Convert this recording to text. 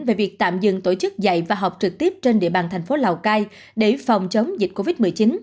về việc tạm dừng tổ chức dạy và học trực tiếp trên địa bàn thành phố lào cai để phòng chống dịch covid một mươi chín